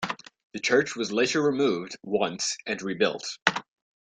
The church was later removed once and rebuilt.